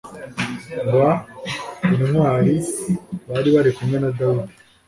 b intwari bari bari kumwe na Dawidi